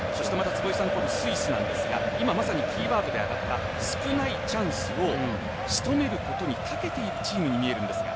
坪井さんスイスなんですが、今まさにキーワードに挙がった少ないチャンスを仕留めることにたけているチームに見えるんですが。